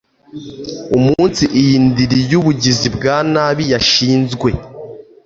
umunsi iyi ndiri yubugizi bwa nabi yashinzwe